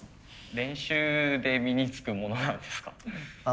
練習で身につくものなんですか？